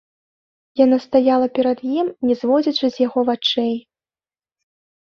Яна стаяла перад ім, не зводзячы з яго вачэй.